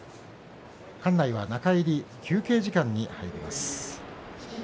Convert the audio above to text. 館内は中入り休憩時間に入ります。